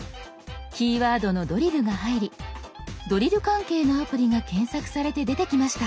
キーワードの「ドリル」が入りドリル関係のアプリが検索されて出てきました。